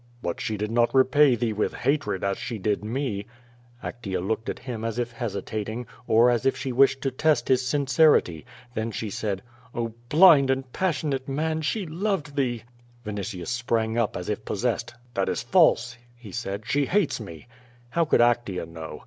"But she did not repay thee with hatred as she did me." Actea looked at him as if hesitating, or as if sbe wisked to test his siiicerity. Then she said: "] 96 Q^O YADIS. "Oh, blind and passionate man, she loved thee/* Vini tilts sprang up as if possessed; "that is false/' he said, "she hates me/' How could Actea know?